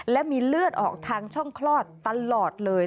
และมีเลือดออกทางช่องคลอดตลอดเลย